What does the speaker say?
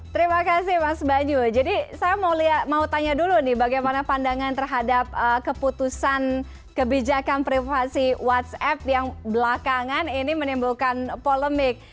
terima kasih mas banyu jadi saya mau tanya dulu nih bagaimana pandangan terhadap keputusan kebijakan privasi whatsapp yang belakangan ini menimbulkan polemik